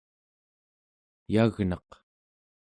eyagnaq